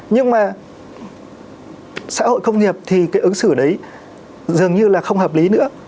nhưng mà xã hội công nghiệp thì cái ứng xử đấy dường như là không hợp lý nữa